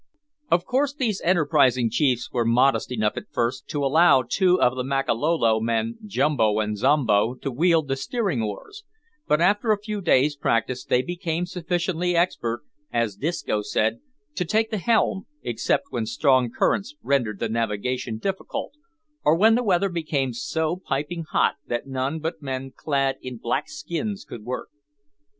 Of course these enterprising chiefs were modest enough at first to allow two of the Makololo men, Jumbo and Zombo, to wield the steering oars, but after a few days' practice they became sufficiently expert, as Disco said, to take the helm, except when strong currents rendered the navigation difficult, or when the weather became so "piping hot" that none but men clad in black skins could work.